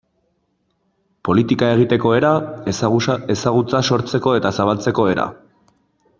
Politika egiteko era, ezagutza sortzeko eta zabaltzeko era...